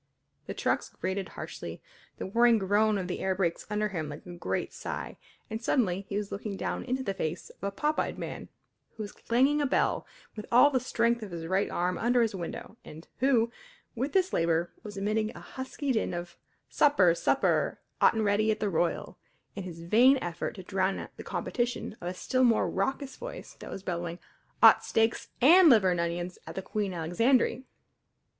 The trucks grated harshly, the whirring groan of the air brakes ran under him like a great sigh, and suddenly he was looking down into the face of a pop eyed man who was clanging a bell, with all the strength of his right arm, under his window, and who, with this labour, was emitting a husky din of "Supper supper 'ot an' ready at the Royal" in his vain effort to drown the competition of a still more raucous voice that was bellowing: "'Ot steaks an' liver'n onions at the Queen Alexandry!"